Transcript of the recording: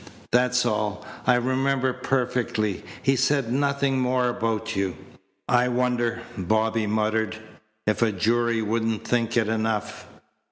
That's all. I remember perfectly. He said nothing more about you." "I wonder," Bobby muttered, "if a jury wouldn't think it enough."